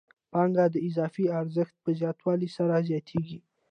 پانګه د اضافي ارزښت په زیاتوالي سره زیاتېږي